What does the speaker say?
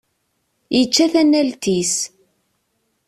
Yečča tanalt-is.